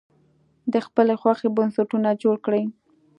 د خپلې خوښې بنسټونه جوړ کړي.